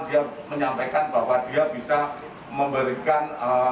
dia menyampaikan bahwa dia bisa memberikan